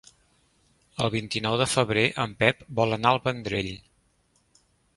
El vint-i-nou de febrer en Pep vol anar al Vendrell.